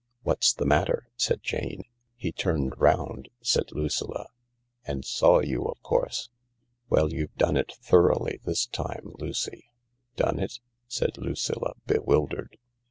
What's the matter ?" said Jane. " He turned round," said Lucilla. " And saw you, of course. Well, you've done it thoroughly this time, Lucy." " Done it ?" said Lucilla, bewildered.